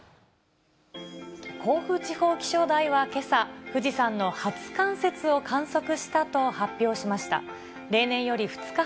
甲府地方気象台はけさ、富士山の初冠雪を観測したと発表しました。